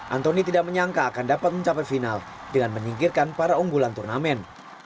antoni tidak menyangka akan dapat mencapai final dengan menyingkirkan para unggulan turnamen